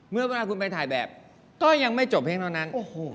เมื่อเวลาคุณไปถ่ายแบบก็ยังไม่จบเพียงเท่านั้น